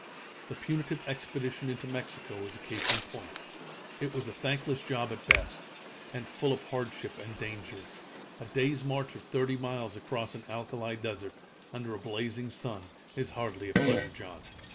The punitive expedition into Mexico was a case in point. It was a thankless job at best, and full of hardship and danger. A day's march of thirty miles across an alkali desert, under a blazing sun, is hardly a pleasure jaunt.